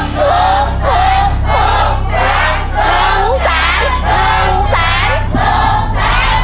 ถูกถูกถึงถูกแสน